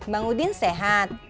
bang udin sehat